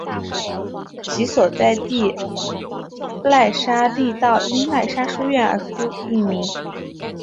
其所在地喇沙利道因喇沙书院而命名。